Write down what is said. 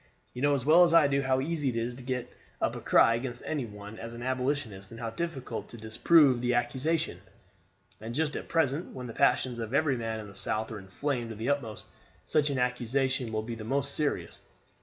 "You know as well as I do how easy it is to get up a cry against any one as an Abolitionist and how difficult to disprove the accusation; and just at present, when the passions of every man in the South are inflamed to the utmost, such an accusation will be most serious.